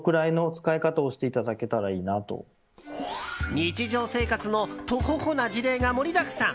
日常生活のトホホな事例が盛りだくさん。